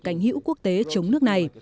cảnh hữu quốc tế chống nước này